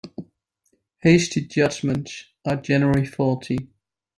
Hasty judgements are generally faulty.